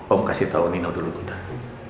om kasih tau nino dulu bentar